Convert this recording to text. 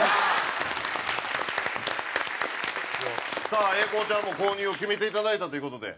さあ英孝ちゃんも購入を決めていただいたという事で。